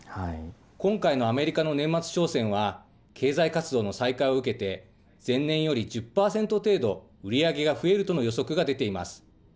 今回のアメリカの年末商戦は、経済活動の再開を受けて、前年より１０％程度、売り上げが増えるとの予測が出ています。